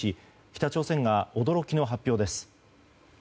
北朝鮮が驚きの発表です。